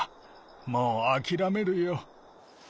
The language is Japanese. もうあきらめるよ。